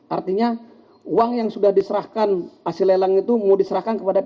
artinya uang yang sudah diserahkan asil lelang itu mau diserahkan ke bukit asam